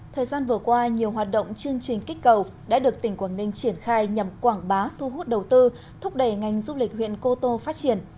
thời gian vừa qua nhiều hoạt động chương trình kích cầu đã được tỉnh quảng ninh triển khai nhằm quảng bá thu hút đầu tư thúc đẩy ngành du lịch huyện cô tô phát triển